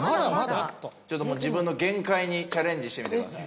自分の限界にチャレンジしてみてください。